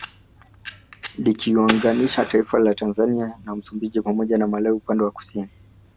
Likiyaunganisha taifa la Tanzania na Msumbiji pamoja na Malawi upande wa Kusini